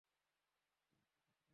তুই ভালো পারবি।